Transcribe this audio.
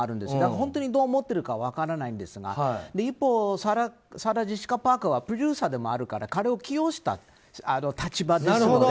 本当にどう思っているかは分からないんですが一方サラ・ジェシカ・パーカーはプロデューサーでもあるから彼を起用した立場ですよね。